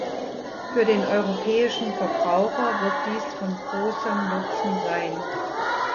Für den europäischen Verbraucher wird dies von großem Nutzen sein.